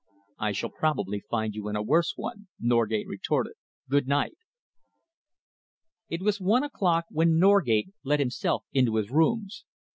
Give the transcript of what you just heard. "I shall probably find you in a worse one," Norgate retorted. "Good night!" It was one o'clock when Norgate let himself into his rooms.